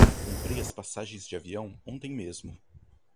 Comprei as passagens de avião ontem mesmo.